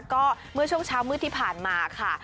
ก็เมื่อช่วงเช้ามืดที่ผ่านมาค่ะ